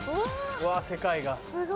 うわ世界が。